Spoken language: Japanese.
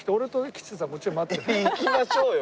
行きましょうよ